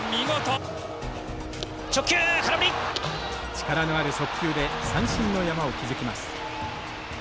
力のある速球で三振の山を築きます。